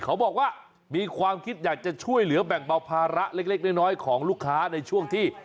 เขาบอกว่ามีความคิดอยากจะช่วยเหลือแบ่งเบาภาระเล็กน้อยของลูกค้าในช่วงที่